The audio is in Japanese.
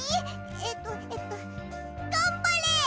えっとえっとがんばれ！